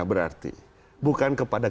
berarti bukan kepada